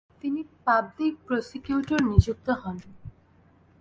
তিনি public prosecutor নিযুক্ত হন।